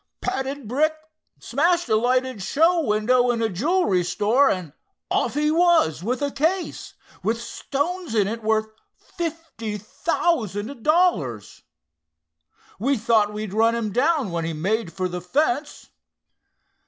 "Padded brick, smashed a lighted show window in a jewelry store and off he was with a case, with stones in it worth fifty thousand dollars. We thought we'd run him down when he made for the fence."